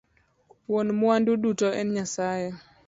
Wuon mwandu duto en nyasaye